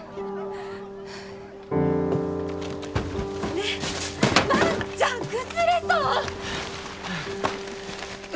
・ねえ万ちゃん崩れそう！